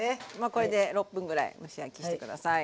これで６分ぐらい蒸し焼きして下さい。